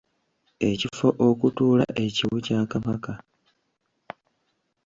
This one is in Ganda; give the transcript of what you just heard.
Ekifo okutuula ekiwu kya Kabaka.